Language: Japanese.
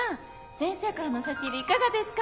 先生からの差し入れいかがですか？